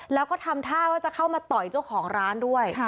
แล้วก็ทำท่าว่าจะเข้ามาต่อยเจ้าของร้านด้วย